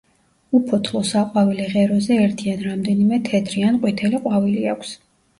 უფოთლო საყვავილე ღეროზე ერთი ან რამდენიმე თეთრი ან ყვითელი ყვავილი აქვს.